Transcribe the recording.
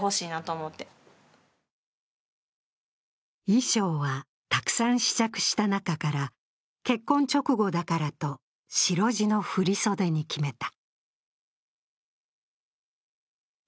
衣装は、たくさん試着した中から結婚直後だからと白地の振り袖に決めた。